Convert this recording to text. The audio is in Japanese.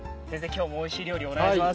今日もおいしい料理お願いします。